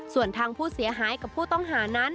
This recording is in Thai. ส่วนทางผู้เสียหายกับผู้ต้องหานั้น